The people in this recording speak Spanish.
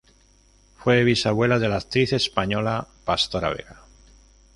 Fue bisabuela de la actriz española Pastora Vega.